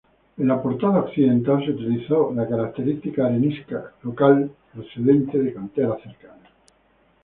En la portada occidental se utilizó la característica arenisca local procedente de canteras cercanas.